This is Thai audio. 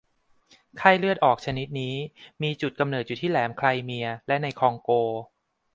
ไข้เลือดออกชนิดนี้มีจุดกำเนิดอยู่ที่แหลมไครเมียและในคองโก